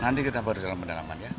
nanti kita baru dalam pendalaman ya